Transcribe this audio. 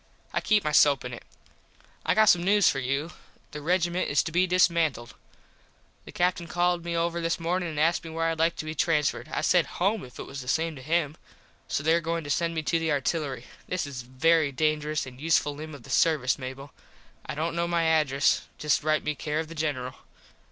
I keep my soap in it. I got some news for you. The regiment is to be dismantled. The Captin called me over this mornin and asked me where Id like to be transferred. I said home if it was the same to him. So there goin to send me to the artillery. This is a very dangerous and useful limb of the servus, Mable. I dont kno my address. Just write me care of the General.